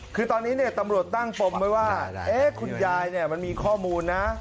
คือตอนนี้ตำรวจตั้งปมไว้ว่าคุณยายมันมีข้อมูลนะ